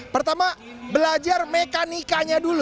pertama belajar mekanikanya dulu